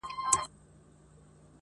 • زهر مار د دواړو وچ کړله رګونه -